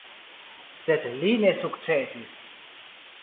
Sed li ne sukcesis.